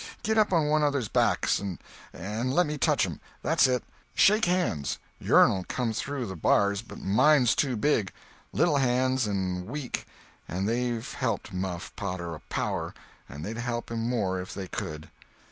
Git up on one another's backs and let me touch 'em. That's it. Shake hands—yourn'll come through the bars, but mine's too big. Little hands, and weak—but they've helped Muff Potter a power, and they'd help him more if they could."